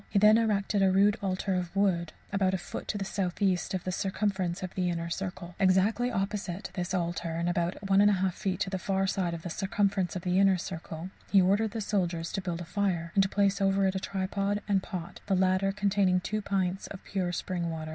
He then erected a rude altar of wood, about a foot to the southeast of the circumference of the inner circle. Exactly opposite this altar, and about 1 1/2 feet to the far side of the circumference of the inner circle, he ordered the soldiers to build a fire, and to place over it a tripod and pot, the latter containing two pints of pure spring water.